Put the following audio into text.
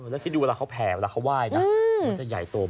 แล้วคิดดูเวลาเขาแผ่เวลาเขาไหว้นะมันจะใหญ่โต